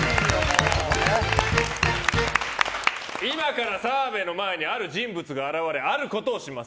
今から澤部の前にある人物が現れあることをします。